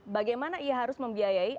bagaimana ia harus membiayai